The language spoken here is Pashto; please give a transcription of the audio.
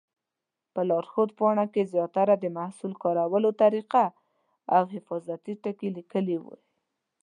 په لارښود پاڼه کې زیاتره د محصول کارولو طریقه او حفاظتي ټکي لیکلي وي.